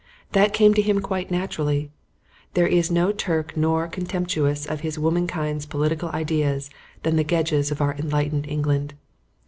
That came to him quite naturally. There is no Turk more contemptuous of his womankind's political ideas than the Gedges of our enlightened England.